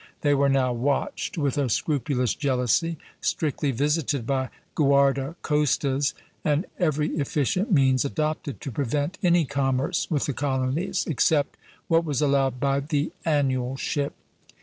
They were now watched with a scrupulous jealousy, strictly visited by guarda costas, and every efficient means adopted to prevent any commerce with the colonies, except what was allowed by the annual ship."